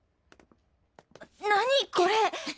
何これ！？